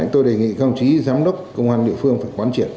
tôi đề nghị công chí giám đốc công an địa phương phải quán triển